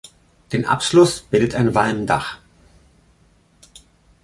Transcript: Den Abschluss bildet ein Walmdach.